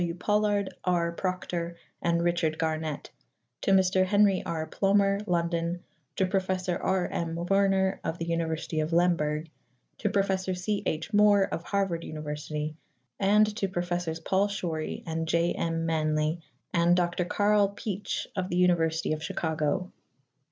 W. Pollard, R. Proctor, and Richard Garnett ; to Mr. Henry R. Plomer, London ; to Professor R. M. Werner of the University of Lemberg ; to Professor C. H. Moore of Harvard University; and to Professors Paul Shorey and J. M. Manly and Dr. Karl Pietsch of the University of Chicago.